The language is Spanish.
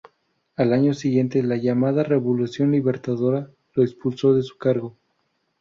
Al año siguiente, la llamada Revolución Libertadora lo expulsó de su cargo.